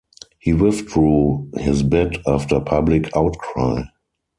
He withdrew his bid after public outcry.